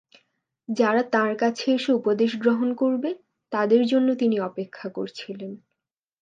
যারা তাঁর কাছে এসে উপদেশ গ্রহণ করবে, তাদের জন্য তিনি অপেক্ষা করেছিলেন।